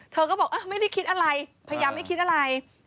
เธอก็บอกไม่ได้คิดอะไรพยายามไม่คิดอะไร